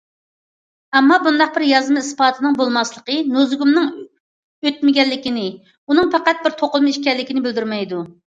ئەمما، بۇنداق بىر يازما ئىسپاتنىڭ بولماسلىقى نۇزۇگۇمنىڭ ئۆتمىگەنلىكىنى، ئۇنىڭ پەقەت بىر توقۇلما ئىكەنلىكىنى بىلدۈرمەيدۇ.